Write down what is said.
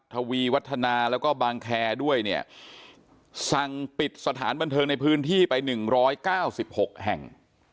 ทวีวัฒนาแล้วก็บางแคด้วยเนี่ยสั่งปิดสถานบันเทิงในพื้นที่ไปหนึ่งร้อยเก้าสิบหกแห่ง